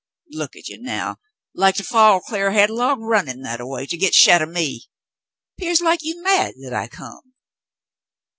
"Look at you now, like to fall cl'ar headlong, runnin' that a way to get shet o' me. 'Pears like you mad that I come."